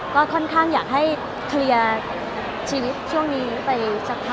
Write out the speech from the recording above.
ก็ค่อนข้างอยากให้เคลียร์ชีวิตช่วงนี้ไปสักพัก